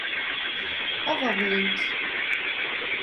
Ad aḍnent.